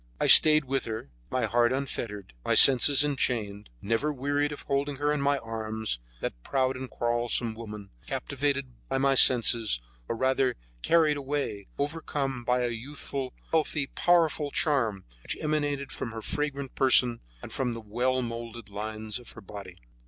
I stayed with her, my heart unfettered and my senses enchained, never wearied of holding her in my arms, that proud and quarrelsome woman, captivated by my senses, or rather carried away, overcome by a youthful, healthy, powerful charm, which emanated from her fragrant person and from the well molded lines of her body.